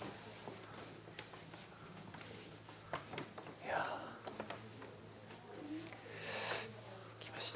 いや来ました。